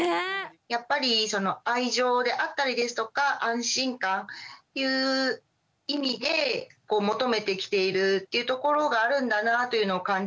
やっぱりその愛情であったりですとか安心感っていう意味で求めてきているっていうところがあるんだなぁというのを感じました。